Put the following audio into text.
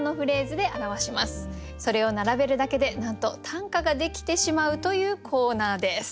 それを並べるだけでなんと短歌ができてしまうというコーナーです。